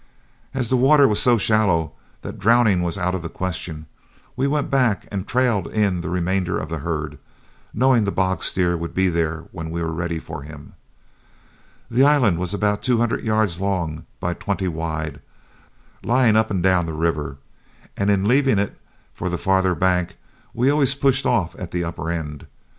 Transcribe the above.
As the water was so shallow that drowning was out of the question, we went back and trailed in the remainder of the herd, knowing the bogged steer would be there when we were ready for him, The island was about two hundred yards long by twenty wide, lying up and down the river, and in leaving it for the farther bank, we always pushed off at the upper end.